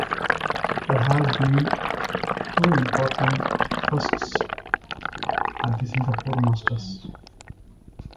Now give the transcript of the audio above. There have been two important firsts at the Singapore Masters.